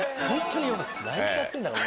本当によかった！